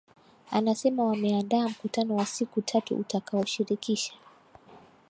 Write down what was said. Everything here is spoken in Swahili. anasema wameandaa mkutano wa siku tatu utakao shirikisha